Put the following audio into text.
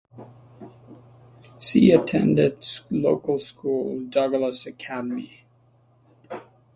She attended local school Douglas Academy.